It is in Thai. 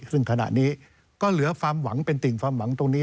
ซึ่งขณะนี้ก็เหลือความหวังเป็นติ่งความหวังตรงนี้